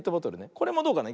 これもどうかな。